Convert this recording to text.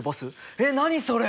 えっ何それ？